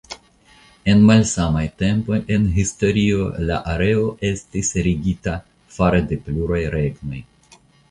En malsamaj tempoj en historio la areo estis regita fare de pluraj regnoj.